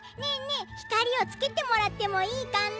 えひかりをつけてもらってもいいかな？